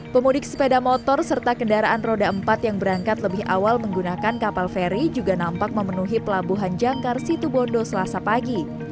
pemudik sepeda motor serta kendaraan roda empat yang berangkat lebih awal menggunakan kapal feri juga nampak memenuhi pelabuhan jangkar situbondo selasa pagi